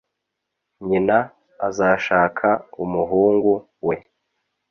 nyina azashaka umuhungu we